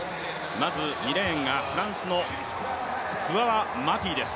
まず、２レーンがフランスのクワウ・マティです。